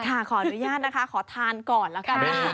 ค่ะขออนุญาตนะคะขอทานก่อนแล้วกัน